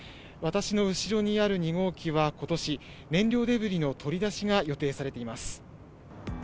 私の後ろにある２号機はことし、燃料デブリの取り出しが予定されています。